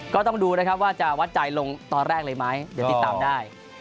ก็ต้องดูนะครับว่าจะวัดใจลงตอนแรกเลยไหมเดี๋ยวติดตามได้